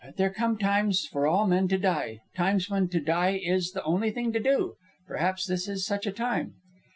"But there come times for all men to die, times when to die is the only thing to do. Perhaps this is such a time."